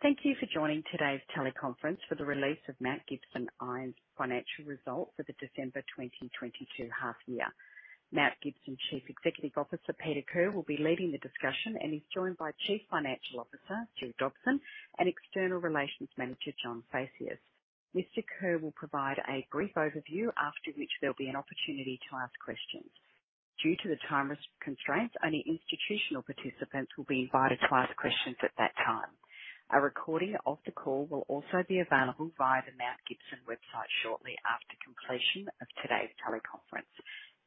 Thank you for joining today's teleconference for the release of Mount Gibson Iron's financial results for the December 2022 half year. Mount Gibson Chief Executive Officer, Peter Kerr, will be leading the discussion and he's joined by Chief Financial Officer, Gillian Dobson, and External Relations Manager, John Forwood. Mr. Kerr will provide a brief overview, after which there'll be an opportunity to ask questions. Due to the time constraints, only institutional participants will be invited to ask questions at that time. A recording of the call will also be available via the Mount Gibson website shortly after completion of today's teleconference.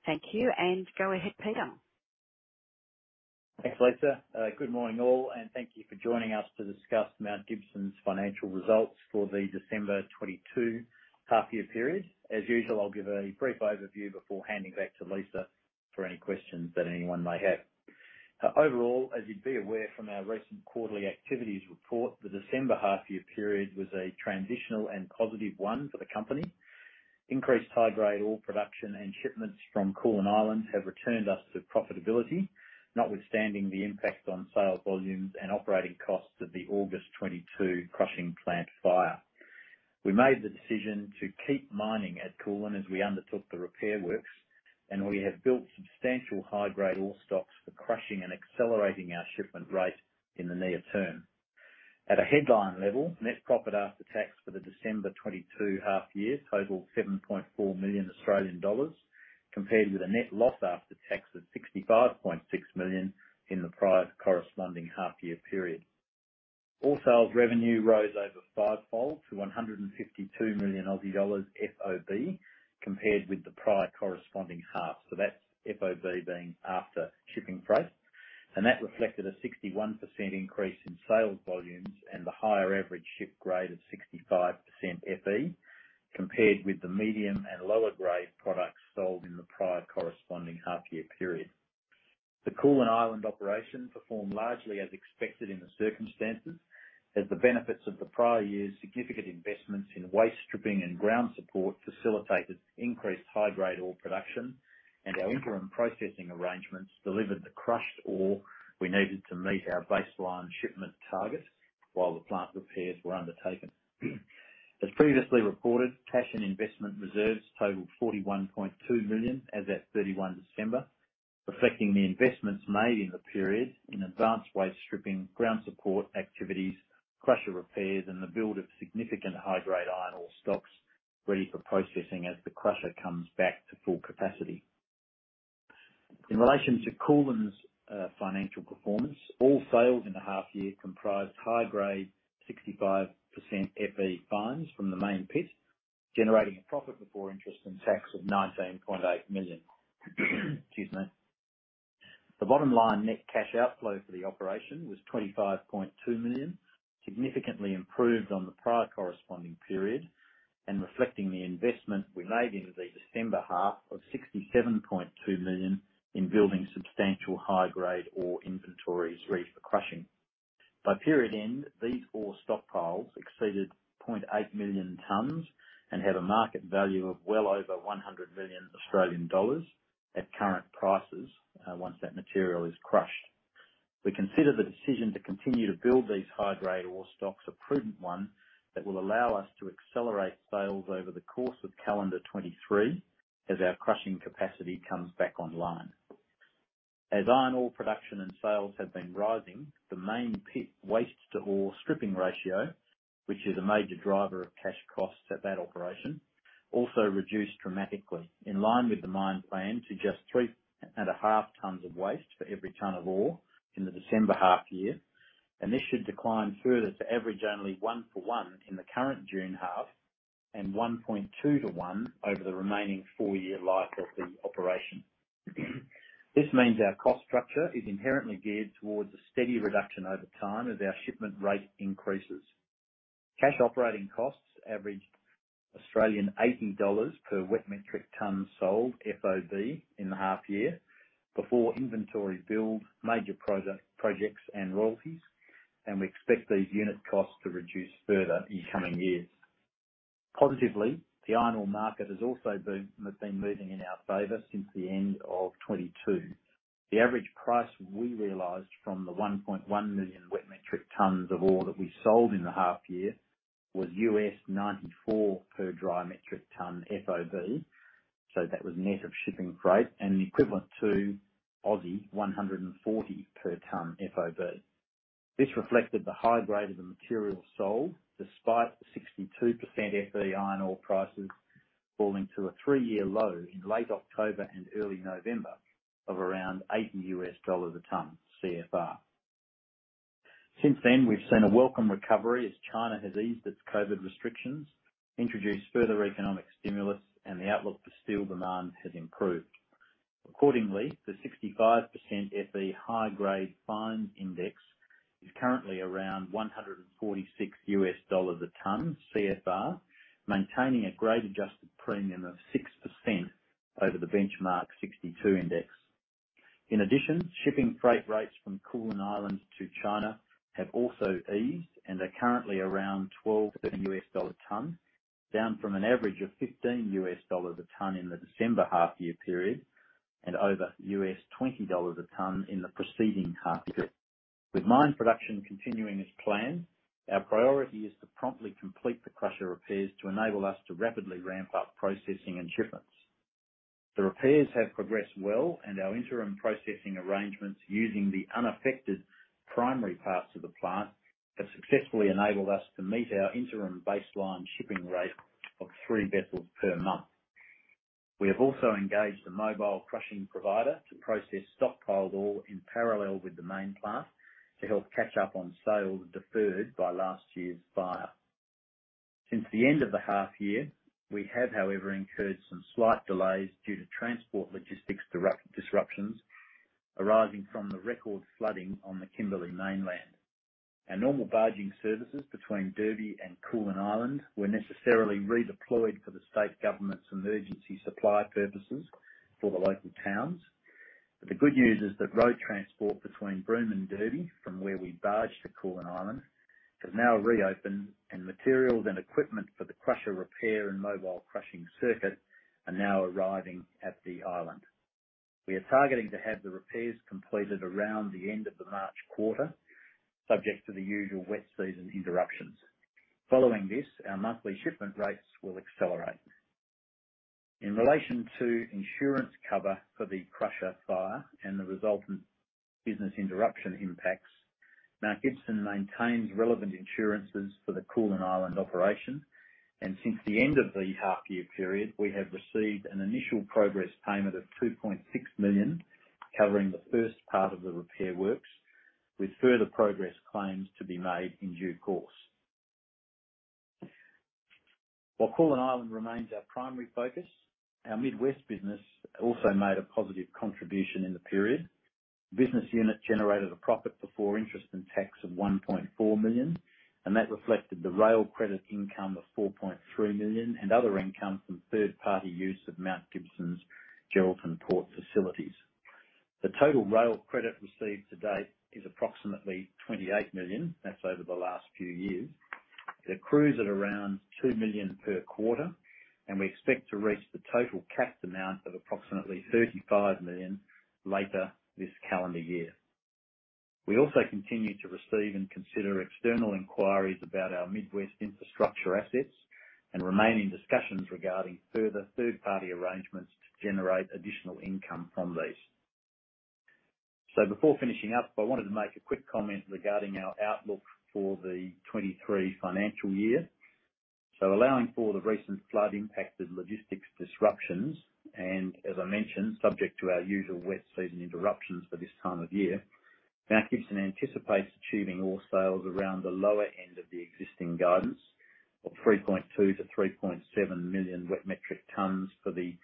Thank you, and go ahead, Peter. Thanks, Lisa. Good morning, all, and thank you for joining us to discuss Mount Gibson's financial results for the December 2022 half year period. As usual, I'll give a brief overview before handing back to Lisa for any questions that anyone may have. Overall, as you'd be aware from our recent quarterly activities report, the December half year period was a transitional and positive one for the company. Increased high-grade ore production and shipments from Koolan Island have returned us to profitability, notwithstanding the impact on sales volumes and operating costs of the August 2022 crushing plant fire. We made the decision to keep mining at Koolan as we undertook the repair works, and we have built substantial high-grade ore stocks for crushing and accelerating our shipment rate in the near term. At a headline level, net profit after tax for the December 2022 half year totaled 7.4 million Australian dollars, compared with a net loss after tax of 65.6 million in the prior corresponding half year period. Ore sales revenue rose over five-fold to 152 million Aussie dollars FOB, compared with the prior corresponding half. That's FOB being after shipping freight. That reflected a 61% increase in sales volumes and the higher average ship grade of 65% Fe, compared with the medium and lower grade products sold in the prior corresponding half year period. The Koolan Island operation performed largely as expected in the circumstances, as the benefits of the prior year's significant investments in waste stripping and ground support facilitated increased high-grade ore production. Our interim processing arrangements delivered the crushed ore we needed to meet our baseline shipment target while the plant repairs were undertaken. As previously reported, cash and investment reserves totaled 41.2 million as at 31 December, reflecting the investments made in the period in advanced waste stripping, ground support activities, crusher repairs, and the build of significant high-grade iron ore stocks ready for processing as the crusher comes back to full capacity. In relation to Koolan's financial performance, all sales in the half year comprised high-grade 65% Fe fines from the main pit, generating a profit before interest and tax of 19.8 million. Excuse me. The bottom line net cash outflow for the operation was 25.2 million, significantly improved on the prior corresponding period, and reflecting the investment we made in the December half of 67.2 million in building substantial high-grade ore inventories ready for crushing. By period end, these ore stockpiles exceeded 0.8 million tons and have a market value of well over 100 million Australian dollars at current prices, once that material is crushed. We consider the decision to continue to build these high-grade ore stocks a prudent one that will allow us to accelerate sales over the course of calendar 2023 as our crushing capacity comes back online. As iron ore production and sales have been rising, the main pit waste to ore stripping ratio, which is a major driver of cash costs at that operation, also reduced dramatically in line with the mine plan to just 3.5/1 in the December half year. This should decline further to average only 1/1 in the current June half and 1.2/1 over the remaining four-year life of the operation. This means our cost structure is inherently geared towards a steady reduction over time as our shipment rate increases. Cash operating costs averaged 80 Australian dollars per wet metric ton sold FOB in the half year before inventory build, major projects, and royalties. We expect these unit costs to reduce further in coming years. Positively, the iron ore market has also been moving in our favor since the end of 2022. The average price we realized from the 1.1 million wet metric tons of ore that we sold in the half year was U.S. $94 per dry metric ton FOB, so that was net of shipping freight and the equivalent to 140 per ton FOB. This reflected the high grade of the material sold despite the 62% Fe iron ore prices falling to a three-year low in late October and early November of around U.S. $80 a ton CFR. Since then, we've seen a welcome recovery as China has eased its COVID restrictions, introduced further economic stimulus, and the outlook for steel demand has improved. Accordingly, the 65% Fe fines index is currently around $146 a ton CFR, maintaining a grade-adjusted premium of 6% over the benchmark 62% Fe index. In addition, shipping freight rates from Koolan Island to China have also eased and are currently around $12-$10 a ton, down from an average of $15 a ton in the December half-year period. Over $20 a ton in the preceding half-year. With mine production continuing as planned, our priority is to promptly complete the crusher repairs to enable us to rapidly ramp up processing and shipments. The repairs have progressed well, and our interim processing arrangements, using the unaffected primary parts of the plant, have successfully enabled us to meet our interim baseline shipping rate of three vessels per month. We have also engaged a mobile crushing provider to process stockpiled ore in parallel with the main plant to help catch up on sales deferred by last year's fire. Since the end of the half year, we have, however, incurred some slight delays due to transport logistics disruptions arising from the record flooding on the Kimberley mainland. Our normal barging services between Derby and Koolan Island were necessarily redeployed for the state government's emergency supply purposes for the local towns. The good news is that road transport between Broome and Derby, from where we barge to Koolan Island, has now reopened, and materials and equipment for the crusher repair and mobile crushing circuit are now arriving at the island. We are targeting to have the repairs completed around the end of the March quarter, subject to the usual wet season interruptions. Following this, our monthly shipment rates will accelerate. In relation to insurance cover for the crusher fire and the resultant business interruption impacts, Mount Gibson maintains relevant insurances for the Koolan Island operation and since the end of the half year period, we have received an initial progress payment of 2.6 million, covering the first part of the repair works, with further progress claims to be made in due course. While Koolan Island remains our primary focus, our Midwest business also made a positive contribution in the period. The business unit generated a profit before interest and tax of 1.4 million, and that reflected the rail credit income of 4.3 million and other income from third-party use of Mount Gibson's Geraldton port facilities. The total rail credit received to date is approximately 28 million. That's over the last few years. It accrues at around 2 million per quarter. We expect to reach the total capped amount of approximately 35 million later this calendar year. We also continue to receive and consider external inquiries about our Midwest infrastructure assets and remain in discussions regarding further third-party arrangements to generate additional income from these. Before finishing up, I wanted to make a quick comment regarding our outlook for the 2023 financial year. Allowing for the recent flood-impacted logistics disruptions, and as I mentioned, subject to our usual wet season interruptions for this time of year, Mount Gibson anticipates achieving ore sales around the lower end of the existing guidance of 3.2 million-3.7 million wet metric tons for the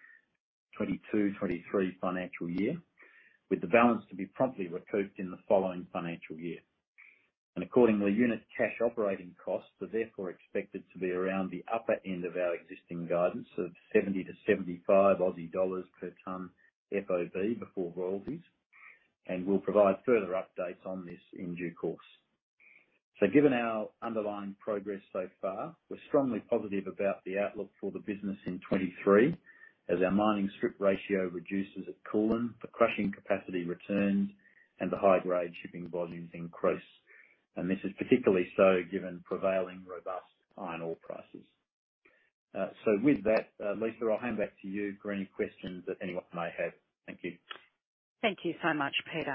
2022/2023 financial year, with the balance to be promptly recouped in the following financial year. Accordingly, unit cash operating costs are therefore expected to be around the upper end of our existing guidance of 70-75 Aussie dollars per ton FOB before royalties, and we'll provide further updates on this in due course. Given our underlying progress so far, we're strongly positive about the outlook for the business in 2023 as our mining strip ratio reduces at Koolan Island, the crushing capacity returns, and the high-grade shipping volumes increase. This is particularly so given prevailing robust iron ore prices. With that, Lisa, I'll hand back to you for any questions that anyone may have. Thank you. Thank you so much, Peter Kerr.